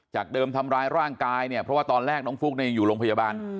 เดิมทำร้ายร่างกายเนี่ยเพราะว่าตอนแรกน้องฟุ๊กเนี่ยยังอยู่โรงพยาบาล